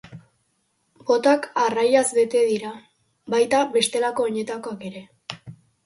Botak arraiaz bete dira, baita, bestelako oinetakoak ere.